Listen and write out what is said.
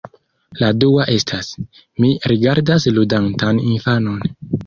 La dua estas: Mi rigardas ludantan infanon.